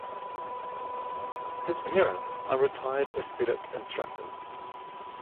His parents are retired aesthetic instructors.